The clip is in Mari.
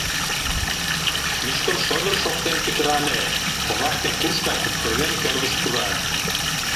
Мӱшкыр шодыр-р шоктен пӱтырале, коваште, курш гай куптырген, кӧргыш пура.